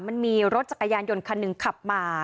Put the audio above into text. มันมีรถจักรยานยนต์คันหนึ่งขับมา